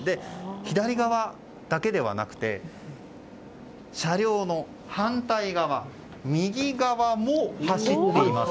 左側だけではなくて車両の反対側右側も走っています。